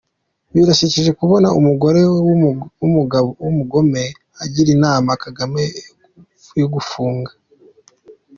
Birashekeje kubona umugore wumugome agira inama kagame yogufunga